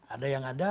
ada yang ada